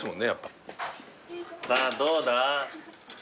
さあどうだ？